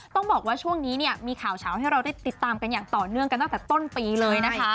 ต้องบอกว่าช่วงนี้เนี่ยมีข่าวเฉาให้เราได้ติดตามกันอย่างต่อเนื่องกันตั้งแต่ต้นปีเลยนะคะ